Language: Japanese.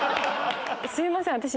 すいません